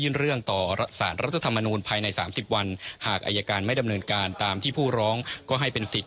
เท่าที่ใดเดียวกันก